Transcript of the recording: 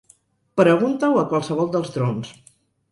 Pregunta-ho a qualsevol dels Drones.